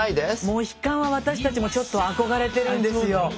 モヒカンは私たちもちょっと憧れてるんですよ。